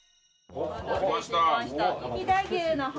お待たせしました。